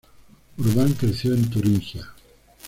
Urban creció en Turingia.